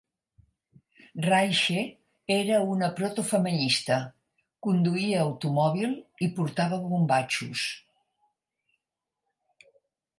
Raiche era una protofeminista: conduïa automòbil i portava bombatxos.